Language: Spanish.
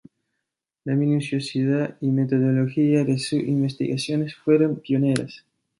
La minuciosidad y metodología de sus investigaciones fueron pioneras.